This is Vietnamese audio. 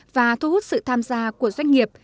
và thu hút sự tham gia của doanh nghiệp